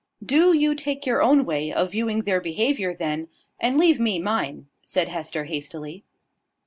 "Do you take your own way of viewing their behaviour, then, and leave me mine," said Hester hastily.